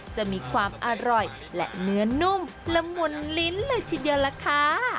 จะมีความอร่อยและเนื้อนุ่มละมุนลิ้นเลยทีเดียวล่ะค่ะ